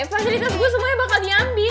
fasilitas gue semuanya bakal diambil